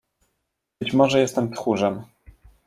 "Być może jestem tchórzem."